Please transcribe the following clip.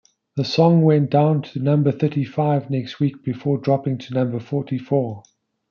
The song went down to number thirty-five next week, before dropping to number forty-four.